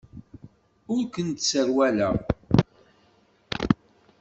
Ur kent-sserwaleɣ.